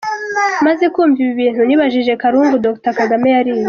Maze kwumva ibi bintu nibajije Karungu Dr. Kagame yariye.